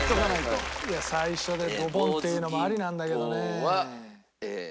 最初でドボンっていうのもありなんだけどね。